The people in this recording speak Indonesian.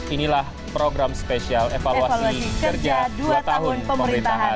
inilah program spesial evaluasi kerja dua tahun pemerintahan